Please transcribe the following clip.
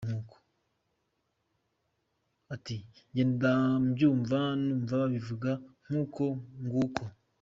Ati “Ngenda mbyumva, numva babivuga nk’uko nguko.